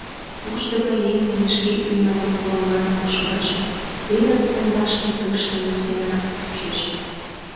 Уждымо еҥ дене шке ӱмырым курымлан ушымаш теҥыз пундашке тӧрштымӧ семынак чучеш.